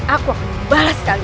aku akan membalas kalian